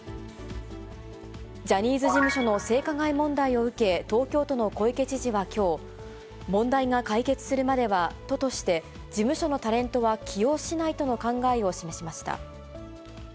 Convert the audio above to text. ジャニーズ事務所の性加害問題を受け、東京都の小池知事はきょう、問題が解決するまでは都として、事務所のタレントは起用しないとの考えを示しました。